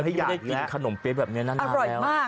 ทำให้อยากนี้ขนมเปี๊ยะแบบเนี้ยน่าน่าแล้วอร่อยมาก